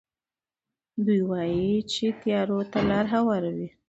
دوی وايي چې تیارو ته لارې هواروي.